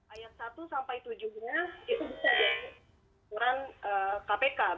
ayat satu sampai tujuh nya itu bisa diturunan kpk